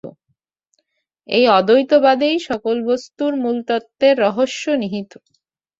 এই অদ্বৈতবাদেই সকল বস্তুর মূলতত্ত্বের রহস্য নিহিত।